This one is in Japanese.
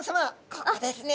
ここですね。